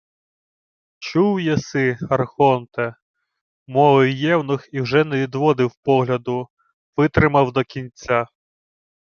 — Чув єси, архонте, — мовив євнух і вже не відвів погляду, витримав до кінця.